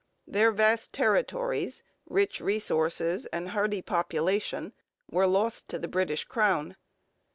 Their vast territories, rich resources, and hardy population were lost to the British crown.